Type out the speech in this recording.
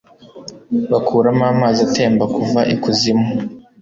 Bakuramo amazi atemba kuva ikuzimu